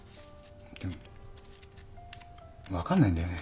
でも分かんないんだよね。